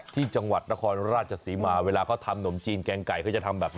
ที่จังหวัดนครราชศรีมาเวลาเขาทำหนมจีนแกงไก่เขาจะทำแบบนี้